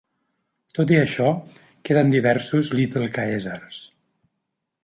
Tot i això, queden diversos Little Caesars.